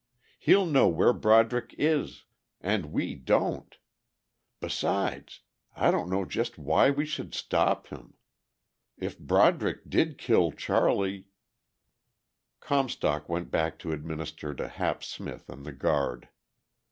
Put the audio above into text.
He'll know where Broderick is. And we don't. Besides ... I don't know just why we should stop him.... If Broderick did kill Charlie...." Comstock went back to administer to Hap Smith and the guard.